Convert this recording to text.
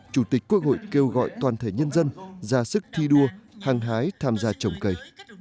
chủ tịch quốc hội kêu gọi toàn thể nhân dân ra sức thi đua hăng hái tham gia trồng cây